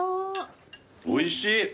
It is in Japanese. おいしい。